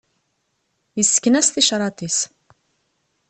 Yessken-as ticraḍ-is.